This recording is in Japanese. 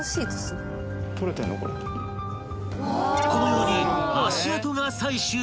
［このように足跡が採取できる］